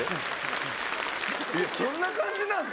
そんな感じなんですか？